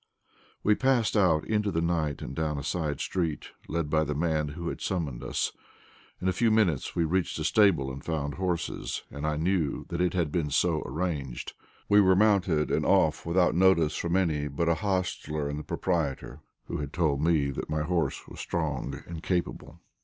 We passed out into the night and down a side street, led by the man who had summoned us. In a few minutes we reached a stable and found horses, and I knew that it had been so arranged. We were mounted and off without notice from any but an hostler and the proprietor, who had told me that my horse was strong and capable.